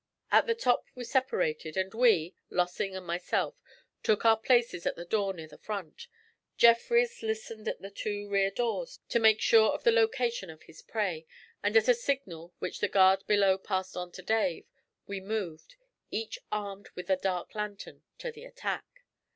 At the top we separated, and while we Lossing and myself took our places at the door near the front, Jeffrys listened at the two rear doors, to make sure of the location of his prey, and at a signal which the guard below passed on to Dave we moved, each armed with a dark lantern, to the attack.